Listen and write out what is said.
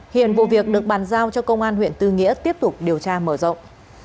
hiện vụ việc được bàn giao cho công an huyện tư nghĩa tiếp tục điều tra mở rộng